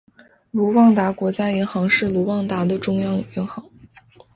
卢旺达国家银行是卢旺达的中央银行。